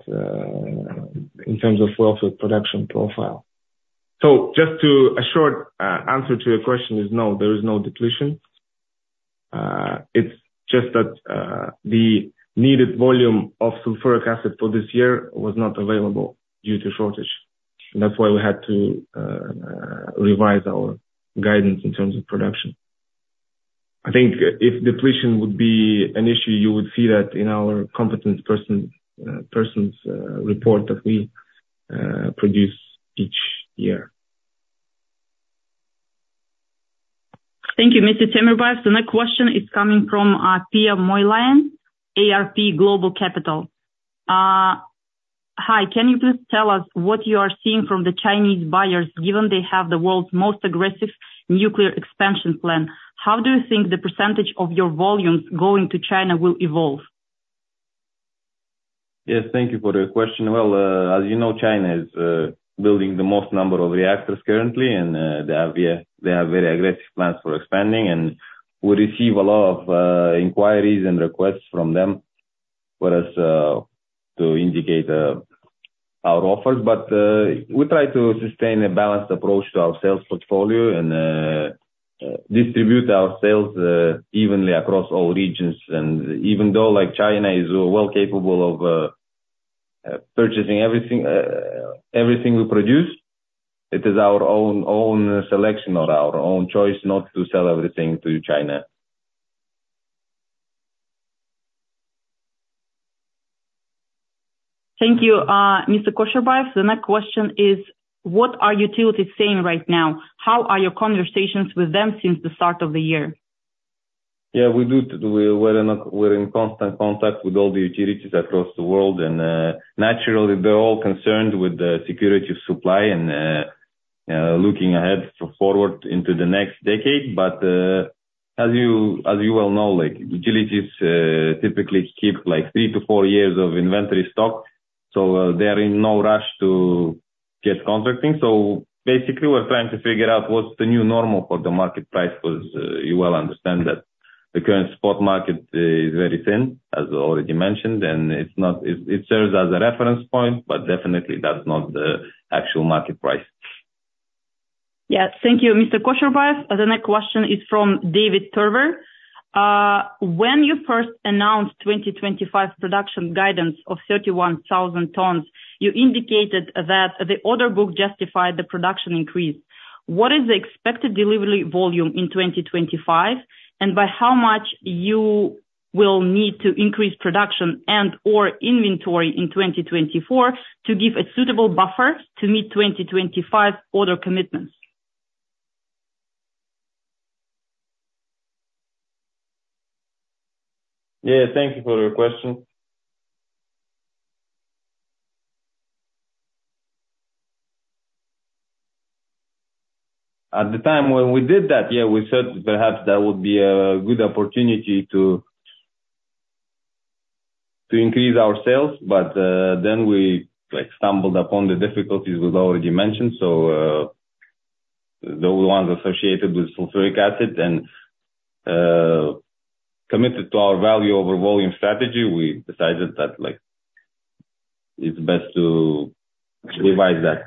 Speaker 5: in terms of wellfield production profile. Just a short answer to your question is no, there is no depletion. It's just that the needed volume of sulfuric acid for this year was not available due to shortage. That's why we had to revise our guidance in terms of production. I think if depletion would be an issue, you would see that in our Competent Person's Report that we produce each year.
Speaker 1: Thank you, Mr. Temirbayev. The next question is coming from Piia Moilanen at Argonaut Capital. "Hi, can you please tell us what you are seeing from the Chinese buyers given they have the world's most aggressive nuclear expansion plan? How do you think the percentage of your volumes going to China will evolve?
Speaker 5: Yes. Thank you for your question. Well, as you know, China is building the most number of reactors currently. And they have very aggressive plans for expanding. And we receive a lot of inquiries and requests from them for us to indicate our offers. But we try to sustain a balanced approach to our sales portfolio and distribute our sales evenly across all regions. And even though China is well capable of purchasing everything we produce, it is our own selection or our own choice not to sell everything to China.
Speaker 1: Thank you, Mr. Kosherbayev. The next question is, "What are utilities saying right now? How are your conversations with them since the start of the year?
Speaker 5: Yeah. We're in constant contact with all the utilities across the world. Naturally, they're all concerned with the security of supply and looking ahead forward into the next decade. But as you well know, utilities typically keep 3-4 years of inventory stock. They're in no rush to get contracting. Basically, we're trying to figure out what's the new normal for the market price because you well understand that the current spot market is very thin, as already mentioned. It serves as a reference point. But definitely, that's not the actual market price.
Speaker 1: Yes. Thank you, Mr. Kosherbayev. The next question is from David Turver. "When you first announced 2025 production guidance of 31,000 tonnes, you indicated that the order book justified the production increase. What is the expected delivery volume in 2025, and by how much you will need to increase production and/or inventory in 2024 to give a suitable buffer to meet 2025 order commitments?
Speaker 5: Yeah. Thank you for your question. At the time when we did that, yeah, we thought perhaps that would be a good opportunity to increase our sales. But then we stumbled upon the difficulties we've already mentioned, so the ones associated with sulfuric acid. And committed to our value-over-volume strategy, we decided that it's best to revise that.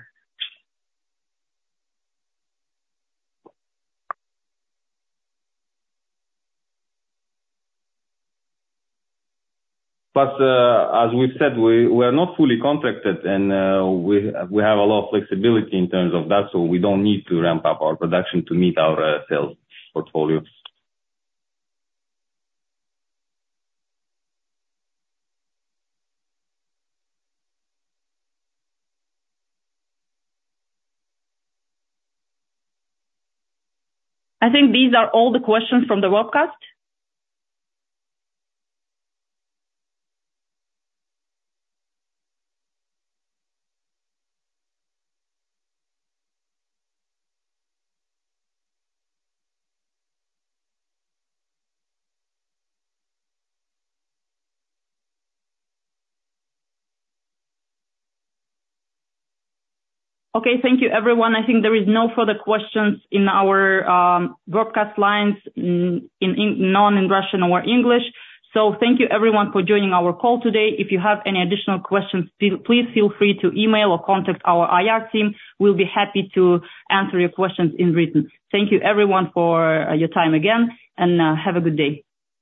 Speaker 5: Plus, as we've said, we are not fully contracted. And we have a lot of flexibility in terms of that. So we don't need to ramp up our production to meet our sales portfolio.
Speaker 1: I think these are all the questions from the webcast. Okay. Thank you, everyone. I think there is no further questions in our webcast lines known in Russian or English. So thank you, everyone, for joining our call today. If you have any additional questions, please feel free to email or contact our IR team. We'll be happy to answer your questions in written. Thank you, everyone, for your time again. Have a good day.